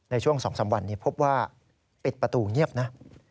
ในช่วง๒๓วันนี้พบว่าปิดประตูเงียบนะ